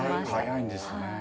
早いんですね。